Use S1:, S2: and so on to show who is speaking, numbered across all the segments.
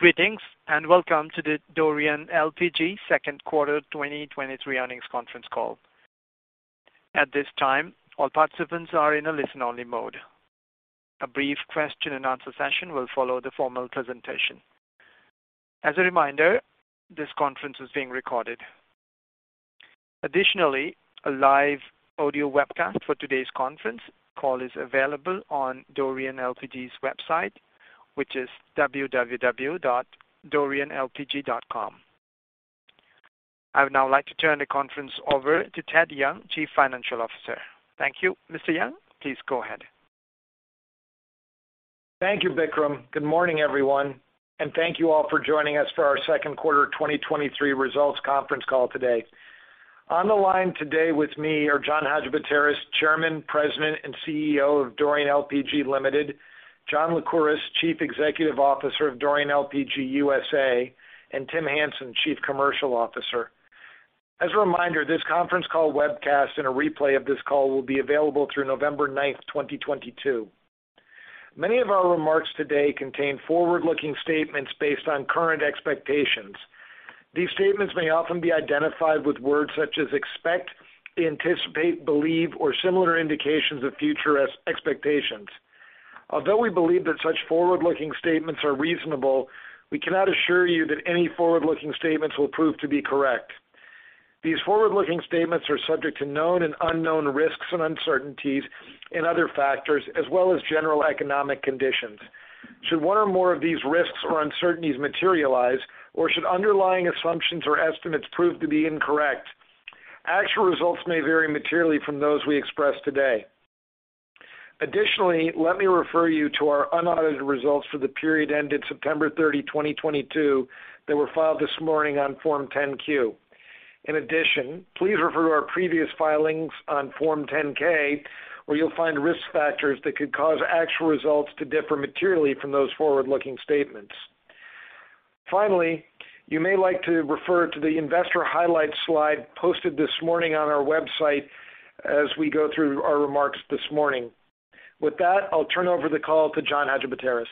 S1: Greetings, and welcome to the Dorian LPG second quarter 2023 earnings conference call. At this time, all participants are in a listen-only mode. A brief question and answer session will follow the formal presentation. As a reminder, this conference is being recorded. Additionally, a live audio webcast for today's conference call is available on Dorian LPG's website, which is www.dorianlpg.com. I would now like to turn the conference over to Theodore Young, Chief Financial Officer. Thank you. Mr. Young, please go ahead.
S2: Thank you, Vikram. Good morning, everyone, and thank you all for joining us for our second quarter 2023 results conference call today. On the line today with me are John Hadjipateras, Chairman, President, and CEO of Dorian LPG Ltd., John Lycouris, Chief Executive Officer of Dorian LPG USA, and Tim Hansen, Chief Commercial Officer. As a reminder, this conference call webcast and a replay of this call will be available through November ninth, 2022. Many of our remarks today contain forward-looking statements based on current expectations. These statements may often be identified with words such as expect, anticipate, believe, or similar indications of future expectations. Although we believe that such forward-looking statements are reasonable, we cannot assure you that any forward-looking statements will prove to be correct. These forward-looking statements are subject to known and unknown risks and uncertainties and other factors as well as general economic conditions. Should one or more of these risks or uncertainties materialize or should underlying assumptions or estimates prove to be incorrect, actual results may vary materially from those we express today. Additionally, let me refer you to our unaudited results for the period ended September 30, 2022, that were filed this morning on Form 10-Q. In addition, please refer to our previous filings on Form 10-K, where you'll find risk factors that could cause actual results to differ materially from those forward-looking statements. Finally, you may like to refer to the investor highlights slide posted this morning on our website as we go through our remarks this morning. With that, I'll turn over the call to John Hadjipateras.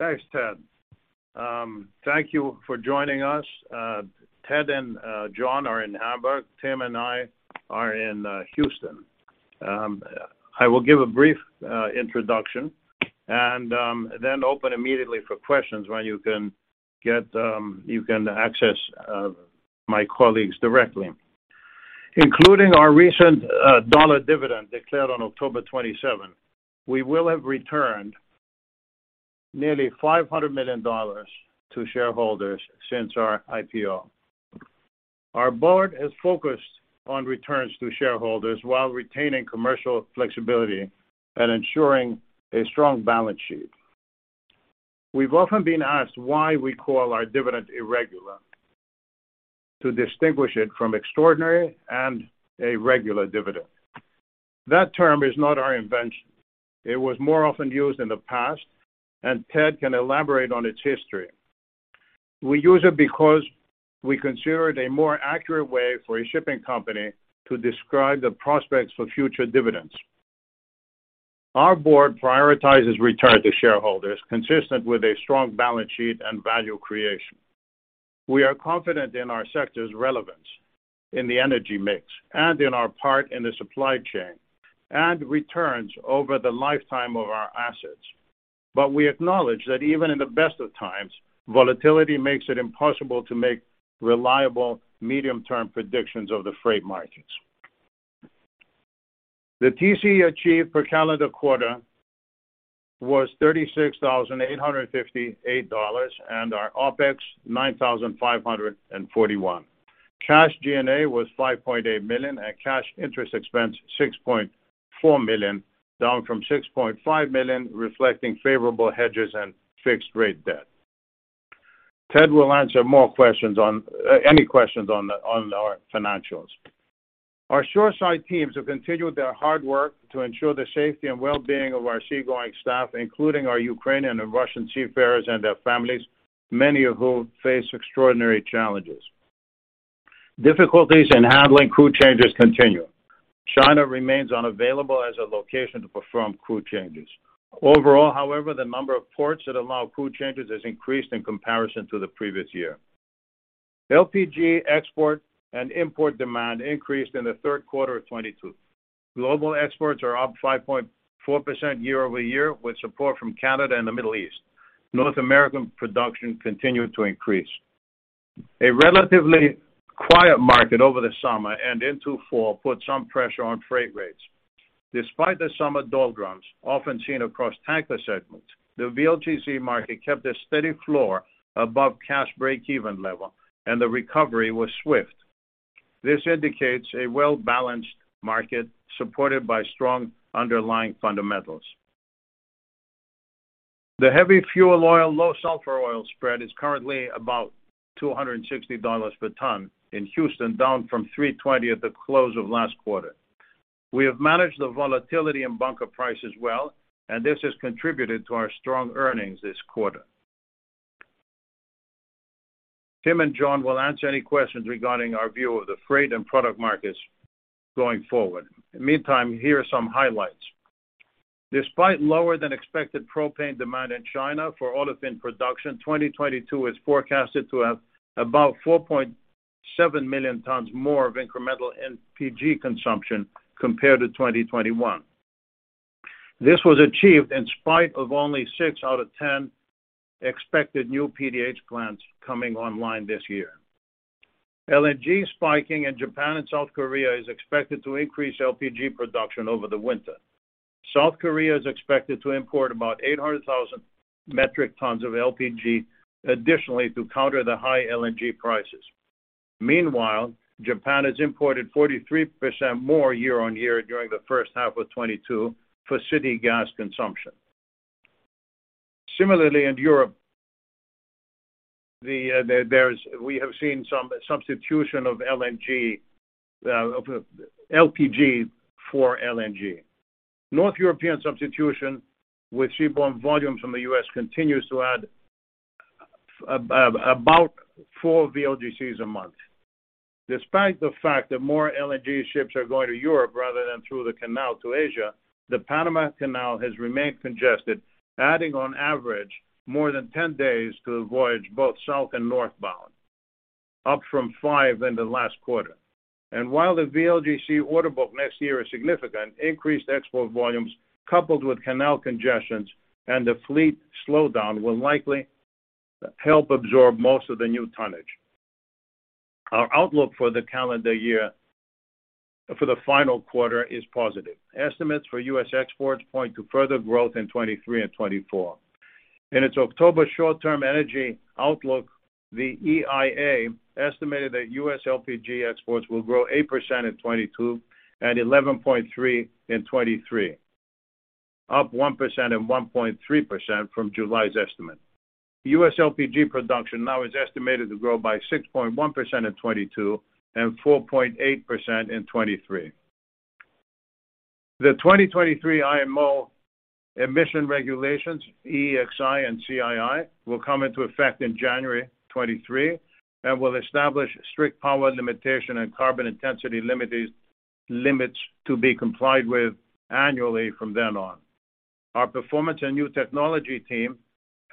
S3: Thanks, Ted. Thank you for joining us. Ted and John are in Hamburg. Tim and I are in Houston. I will give a brief introduction and then open immediately for questions where you can access my colleagues directly. Including our recent dollar dividend declared on October twenty-seventh, we will have returned nearly $500 million to shareholders since our IPO. Our board is focused on returns to shareholders while retaining commercial flexibility and ensuring a strong balance sheet. We've often been asked why we call our dividend irregular to distinguish it from extraordinary and a regular dividend. That term is not our invention. It was more often used in the past, and Ted can elaborate on its history. We use it because we consider it a more accurate way for a shipping company to describe the prospects for future dividends. Our board prioritizes return to shareholders consistent with a strong balance sheet and value creation. We are confident in our sector's relevance in the energy mix and in our part in the supply chain and returns over the lifetime of our assets. We acknowledge that even in the best of times, volatility makes it impossible to make reliable medium-term predictions of the freight markets. The TC achieved per calendar quarter was $36,858, and our OPEX $9,541. Cash G&A was $5.8 million, and cash interest expense $6.4 million, down from $6.5 million, reflecting favorable hedges and fixed rate debt. Ted will answer more questions on any questions on our financials. Our shoreside teams have continued their hard work to ensure the safety and well-being of our seagoing staff, including our Ukrainian and Russian seafarers and their families, many of whom face extraordinary challenges. Difficulties in handling crew changes continue. China remains unavailable as a location to perform crew changes. Overall, however, the number of ports that allow crew changes has increased in comparison to the previous year. LPG export and import demand increased in the third quarter of 2022. Global exports are up 5.4% year-over-year, with support from Canada and the Middle East. North American production continued to increase. A relatively quiet market over the summer and into fall put some pressure on freight rates. Despite the summer doldrums often seen across tanker segments, the VLGC market kept a steady floor above cash break-even level, and the recovery was swift. This indicates a well-balanced market supported by strong underlying fundamentals. The heavy fuel oil, low sulfur oil spread is currently about $260 per ton in Houston, down from $320 at the close of last quarter. We have managed the volatility in bunker prices well, and this has contributed to our strong earnings this quarter. Tim and John will answer any questions regarding our view of the freight and product markets going forward. In the meantime, here are some highlights. Despite lower than expected propane demand in China for olefin production, 2022 is forecasted to have about 4.7 million tons more of incremental LPG consumption compared to 2021. This was achieved in spite of only six out of 10 expected new PDH plants coming online this year. LNG spiking in Japan and South Korea is expected to increase LPG production over the winter. South Korea is expected to import about 800,000 metric tons of LPG additionally to counter the high LNG prices. Meanwhile, Japan has imported 43% more year-on-year during the first half of 2022 for city gas consumption. Similarly, in Europe, we have seen some substitution of LPG for LNG. North European substitution with seaborne volume from the U.S. continues to add about four VLGCs a month. Despite the fact that more LNG ships are going to Europe rather than through the canal to Asia, the Panama Canal has remained congested, adding on average more than 10 days to the voyage, both south and northbound, up from five in the last quarter. While the VLGC order book next year is significant, increased export volumes coupled with canal congestions and the fleet slowdown will likely help absorb most of the new tonnage. Our outlook for the calendar year for the final quarter is positive. Estimates for U.S. exports point to further growth in 2023 and 2024. In its October short-term energy outlook, the EIA estimated that U.S. LPG exports will grow 8% in 2022 and 11.3% in 2023, up 1% and 1.3% from July's estimate. US LPG production now is estimated to grow by 6.1% in 2022 and 4.8% in 2023. The 2023 IMO emission regulations, EEXI and CII, will come into effect in January 2023 and will establish strict power limitation and carbon intensity limits to be complied with annually from then on. Our performance and new technology team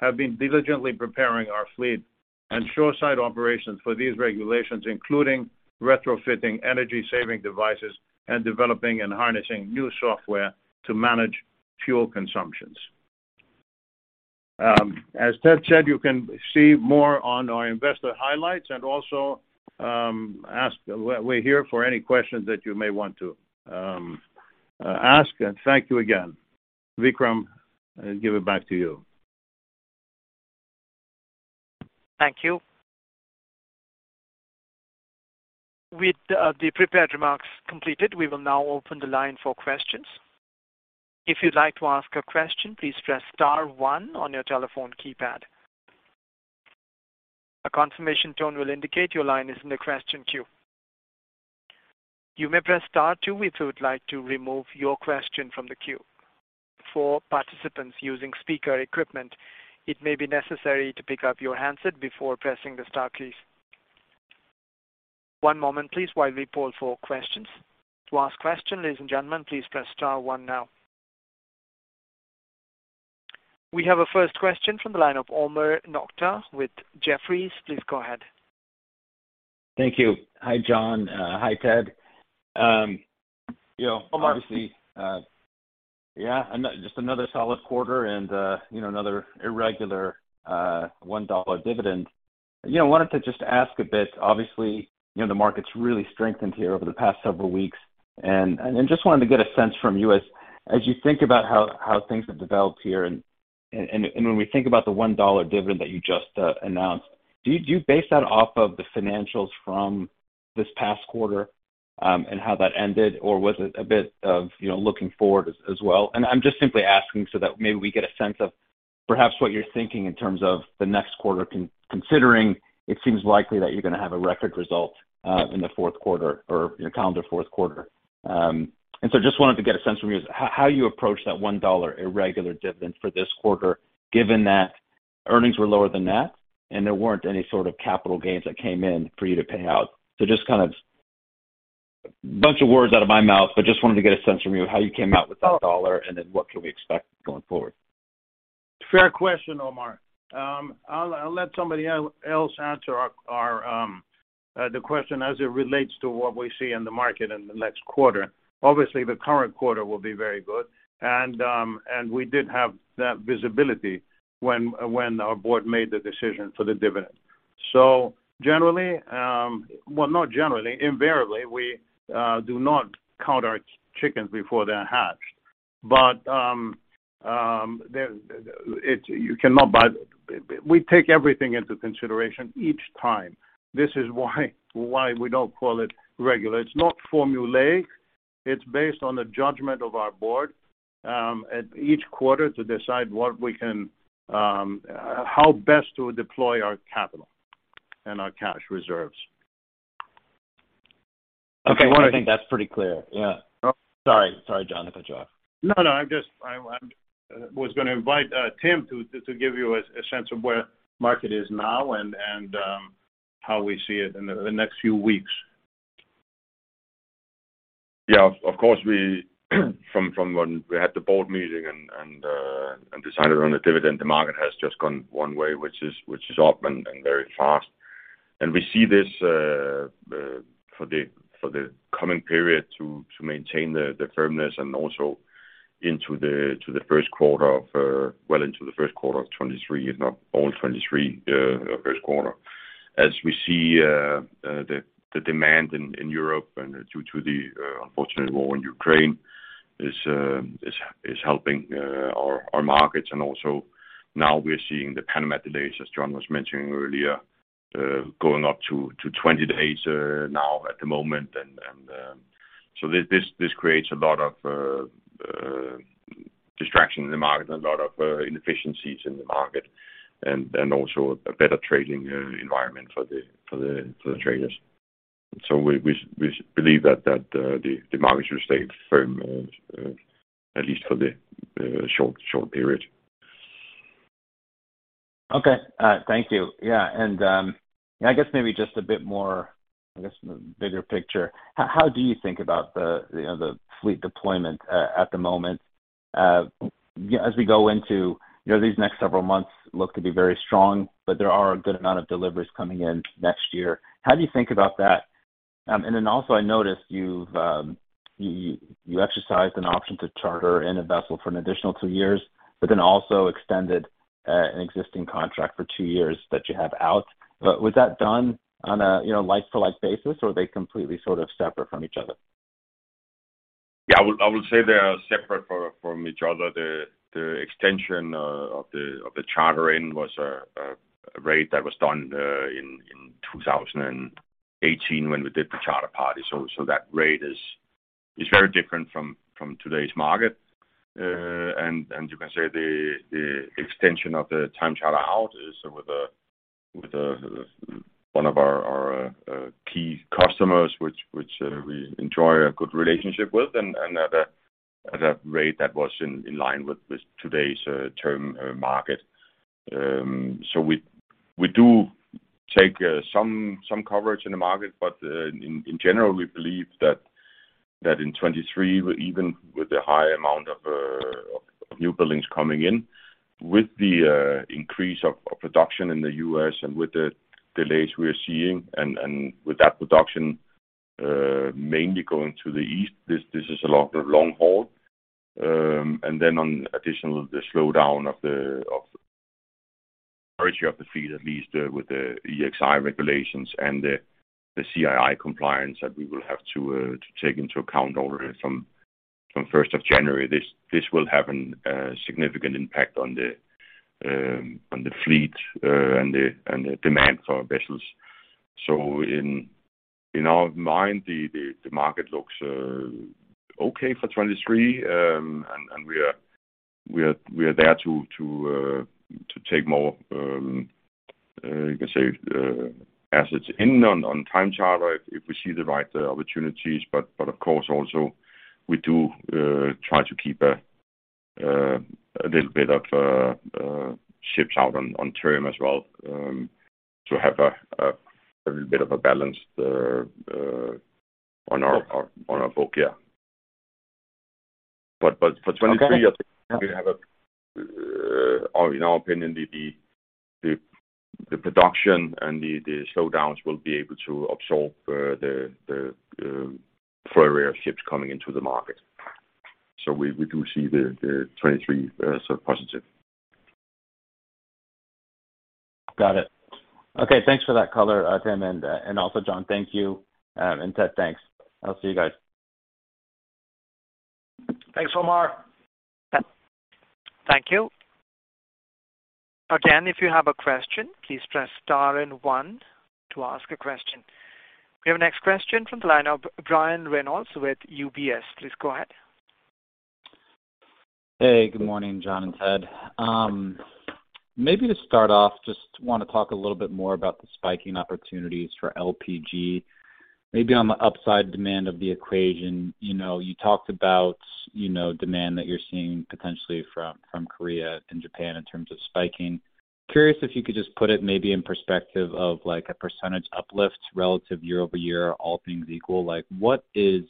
S3: have been diligently preparing our fleet and shoreside operations for these regulations, including retrofitting energy-saving devices and developing and harnessing new software to manage fuel consumption. As Ted said, you can see more on our investor highlights and also ask. We're here for any questions that you may want to ask. Thank you again. Vikram, I give it back to you.
S1: Thank you. With the prepared remarks completed, we will now open the line for questions. If you'd like to ask a question, please press star one on your telephone keypad. A confirmation tone will indicate your line is in the question queue. You may press star two if you would like to remove your question from the queue. For participants using speaker equipment, it may be necessary to pick up your handset before pressing the star keys. One moment please while we poll for questions. To ask question, ladies and gentlemen, please press star one now. We have a first question from the line of Omar Nokta with Jefferies. Please go ahead.
S4: Thank you. Hi, John. Hi, Ted. You know.
S3: Omar.
S4: Obviously, yeah, just another solid quarter and, you know, another regular $1 dividend. You know, I wanted to just ask a bit. Obviously, you know, the market's really strengthened here over the past several weeks. Just wanted to get a sense from you as you think about how things have developed here and when we think about the $1 dividend that you just announced, do you base that off of the financials from this past quarter and how that ended? Or was it a bit of, you know, looking forward as well? I'm just simply asking so that maybe we get a sense of perhaps what you're thinking in terms of the next quarter considering it seems likely that you're gonna have a record result in the fourth quarter or your calendar fourth quarter. Just wanted to get a sense from you as how you approach that $1 irregular dividend for this quarter, given that earnings were lower than that and there weren't any sort of capital gains that came in for you to pay out. Just kind of bunch of words out of my mouth, but just wanted to get a sense from you how you came out with that $1 and then what can we expect going forward?
S3: Fair question, Omar. I'll let somebody else answer the question as it relates to what we see in the market in the next quarter. Obviously, the current quarter will be very good. We did have that visibility when our board made the decision for the dividend. Well, not generally. Invariably, we do not count our chickens before they're hatched. We take everything into consideration each time. This is why we don't call it regular. It's not formulaic. It's based on the judgment of our board at each quarter to decide what we can, how best to deploy our capital and our cash reserves.
S4: Okay. I think that's pretty clear. Yeah. Sorry, John, to cut you off.
S3: No, no, I was gonna invite Tim to give you a sense of where the market is now and how we see it in the next few weeks.
S5: Yeah, of course, we from when we had the board meeting and decided on a dividend, the market has just gone one way, which is up and very fast. We see this for the coming period to maintain the firmness and also into the first quarter of 2023, if not all 2023. As we see, the demand in Europe and due to the unfortunate war in Ukraine is helping our markets. Also now we're seeing the Panamax delays, as John was mentioning earlier, going up to 20 days now at the moment. This creates a lot of distraction in the market and a lot of inefficiencies in the market and also a better trading environment for the traders. We believe that the market will stay firm at least for the short period.
S4: Okay. Thank you. Yeah. I guess maybe just a bit more, I guess, bigger picture. How do you think about the, you know, the fleet deployment at the moment? As we go into, you know, these next several months look to be very strong, but there are a good amount of deliveries coming in next year. How do you think about that? Then also I noticed you've exercised an option to charter in a vessel for an additional two years, but then also extended an existing contract for two years that you have out. Was that done on a, you know, like for like basis, or are they completely sort of separate from each other?
S5: Yeah, I would say they are separate from each other. The extension of the charter in was a rate that was done in 2018 when we did the charter party. That rate is very different from today's market. You can say the extension of the time charter out is with one of our key customers, which we enjoy a good relationship with and at a rate that was in line with today's term market. We do take some coverage in the market, but in general, we believe that in 2023, even with the high amount of new buildings coming in, with the increase of production in the U.S. and with the delays we are seeing, and with that production mainly going to the east, this is a long haul. In addition, the slowdown of the average age of the fleet, at least with the EEXI regulations and the CII compliance that we will have to take into account already from first of January, this will have a significant impact on the fleet and the demand for vessels. In our mind, the market looks okay for 2023. We are there to take more, you can say, assets in on time charter if we see the right opportunities. Of course also we do try to keep a little bit of ships out on term as well to have a little bit of a balance on our-
S4: Okay.
S5: On our book. Yeah. For 2023.
S4: Okay. Yeah.
S5: In our opinion, the production and the slowdowns will be able to absorb the flurry of ships coming into the market. We do see the 2023 so positive.
S4: Got it. Okay. Thanks for that color, Tim, and also John. Thank you. Ted, thanks. I'll see you guys.
S3: Thanks, Omar.
S1: Thank you. Again, if you have a question, please press star and one to ask a question. We have our next question from the line of Brian Reynolds with UBS. Please go ahead.
S6: Hey, good morning, John and Ted. Maybe to start off, just wanna talk a little bit more about the shipping opportunities for LPG, maybe on the upside demand of the equation. You know, you talked about, you know, demand that you're seeing potentially from Korea and Japan in terms of shipping. Curious if you could just put it maybe in perspective of like a percentage uplift relative year-over-year, all things equal. Like, what is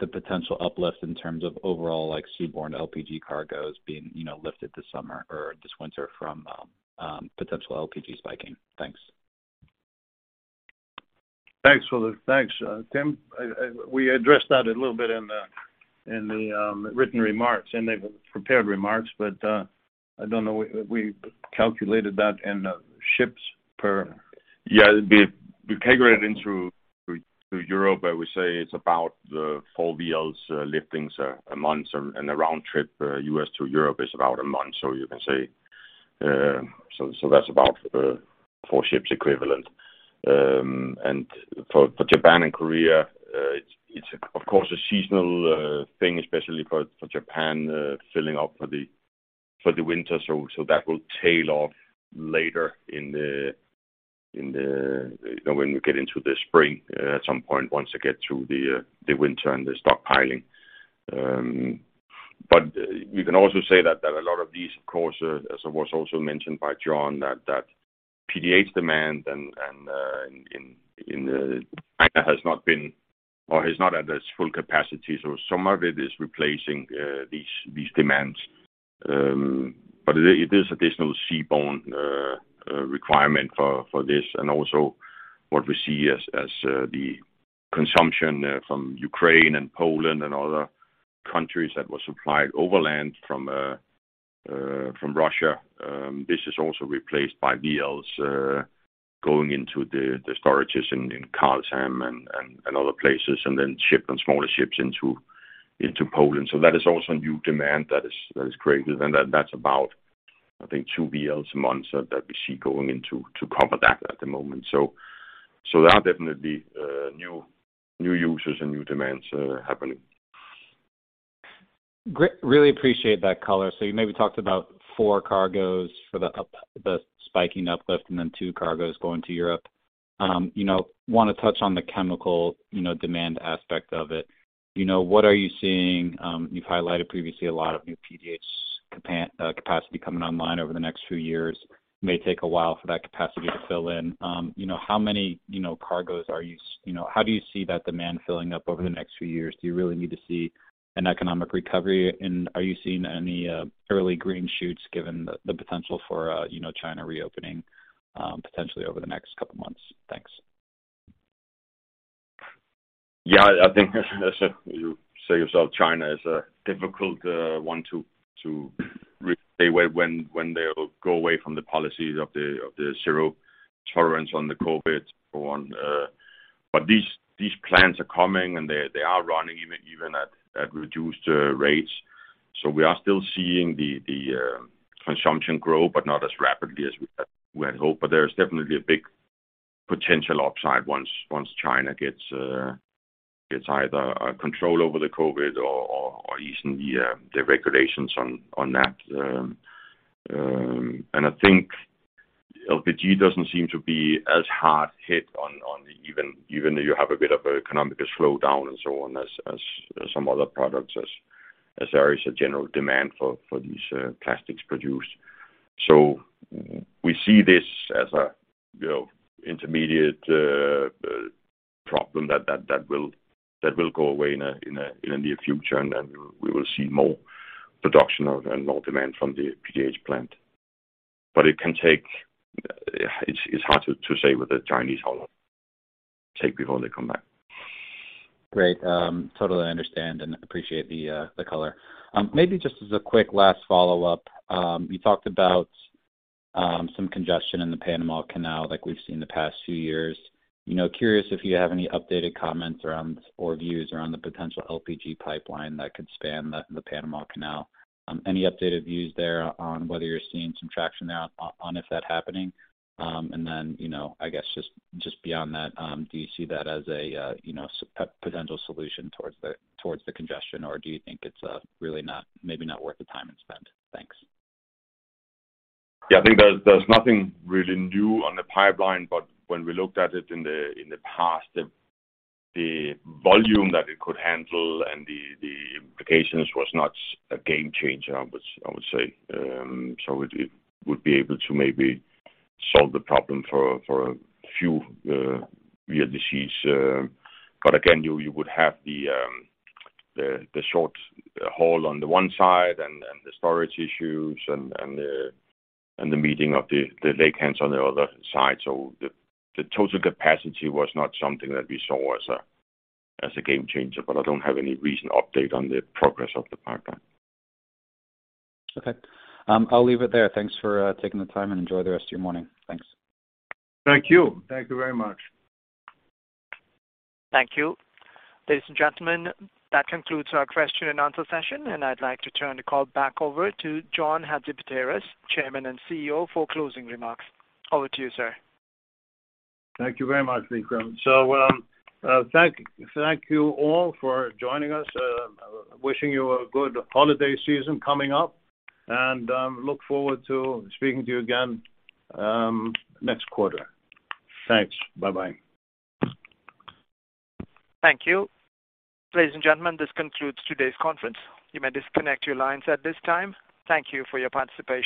S6: the potential uplift in terms of overall like seaborne LPG cargoes being, you know, lifted this summer or this winter from potential LPG shipping? Thanks.
S3: Thanks, Tim. We addressed that a little bit in the written remarks, in the prepared remarks, but I don't know, we calculated that in ships per-
S5: Yeah. We calculate it through Europe. We say it's about four VLGCs liftings a month. A round trip, U.S. to Europe is about a month. You can say, so that's about four ships equivalent. For Japan and Korea, it's of course a seasonal thing, especially for Japan, filling up for the winter. For the winter, so that will tail off later in the winter. When we get into the spring at some point, once they get through the winter and the stockpiling. We can also say that a lot of these, of course, as was also mentioned by John, that PDH demand and in China has not been or has not had its full capacity. Some of it is replacing these demands. But it is additional seaborne requirement for this. Also what we see as the consumption from Ukraine and Poland and other countries that were supplied overland from Russia, this is also replaced by VLGCs going into the storages in Karlshamn and other places, and then shipped on smaller ships into Poland. That is also a new demand that is created. That's about, I think two VLGCs a month that we see going in to cover that at the moment. There are definitely new uses and new demands happening.
S6: Great. Really appreciate that color. You maybe talked about four cargos for the spiking uplift, and then 2 cargos going to Europe. You know, wanna touch on the chemical, you know, demand aspect of it. You know, what are you seeing? You've highlighted previously a lot of new PDH capacity coming online over the next few years. May take a while for that capacity to fill in. You know, how do you see that demand filling up over the next few years? Do you really need to see an economic recovery, and are you seeing any early green shoots given the potential for, you know, China reopening, potentially over the next couple of months? Thanks.
S5: Yeah, I think as you say yourself, China is a difficult one to really say when they'll go away from the policy of the zero tolerance on the COVID or on. These plants are coming, and they are running even at reduced rates. We are still seeing the consumption grow, but not as rapidly as we had hoped. There is definitely a big potential upside once China gets either control over the COVID or easing the regulations on that. I think LPG doesn't seem to be as hard hit, even though you have a bit of economic slowdown and so on, as some other products, as there is a general demand for these plastics produced. We see this as a, you know, intermediate problem that will go away in a near future, and then we will see more production of and more demand from the PDH plant. It can take. It's hard to say with the Chinese how long it take before they come back.
S6: Great. Totally understand and appreciate the color. Maybe just as a quick last follow-up. You talked about some congestion in the Panama Canal like we've seen the past few years. You know, curious if you have any updated comments around or views around the potential LPG pipeline that could span the Panama Canal. Any updated views there on whether you're seeing some traction now on if that happening? And then, you know, I guess just beyond that, do you see that as a, you know, potential solution towards the congestion, or do you think it's really not, maybe not worth the time and spend? Thanks.
S5: Yeah, I think there's nothing really new on the pipeline, but when we looked at it in the past, the volume that it could handle and the implications was not a game changer, I would say. It would be able to maybe solve the problem for a few years it seems. Again, you would have the short haul on the one side and the storage issues and the meeting of the lakeheads on the other side. The total capacity was not something that we saw as a game changer, but I don't have any recent update on the progress of the pipeline.
S6: Okay. I'll leave it there. Thanks for taking the time, and enjoy the rest of your morning. Thanks.
S5: Thank you. Thank you very much.
S1: Thank you. Ladies and gentlemen, that concludes our question and answer session, and I'd like to turn the call back over to John Hadjipateras, Chairman and CEO, for closing remarks. Over to you, sir.
S3: Thank you very much, Vikram. Thank you all for joining us. Wishing you a good holiday season coming up, and look forward to speaking to you again next quarter. Thanks. Bye-bye.
S1: Thank you. Ladies and gentlemen, this concludes today's conference. You may disconnect your lines at this time. Thank you for your participation.